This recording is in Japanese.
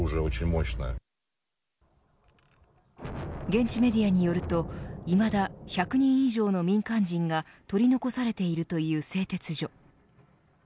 現地メディアによるといまだ１００人以上の民間人が取り残されているという製鉄所。